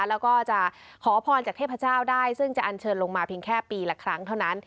แล้วก็จะขอพรจากเทพเจ้าได้ซึ่งจะอันเชิญลงมาเพียงแค่ปีละครั้งเท่านั้น